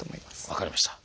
分かりました。